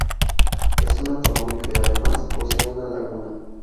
Es un atolón que además posee una laguna.